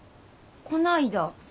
こないだ？